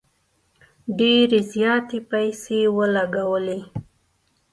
ډیري زیاتي پیسې ولګولې.